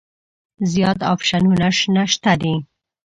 زیات اپشنونه شته دي.